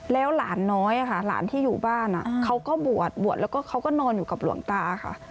แล้วหลานน้อยค่ะหลานที่อยู่บ้านเขาก็บวชบวชแล้วก็เขาก็นอนอยู่กับหลวงตาค่ะ